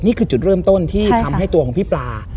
นี่คือจุดเริ่มต้นที่ทำให้ตัวของพี่ปลา